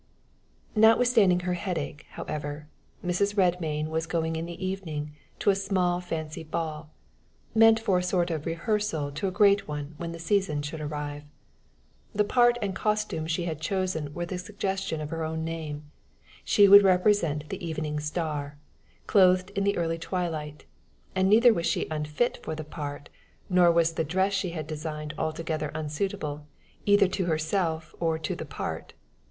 Notwithstanding her headache, however, Mrs. Redmain was going in the evening to a small fancy ball, meant for a sort of rehearsal to a great one when the season should arrive. The part and costume she had chosen were the suggestion of her own name: she would represent the Evening Star, clothed in the early twilight; and neither was she unfit for the part, nor was the dress she had designed altogether unsuitable either to herself or to the part.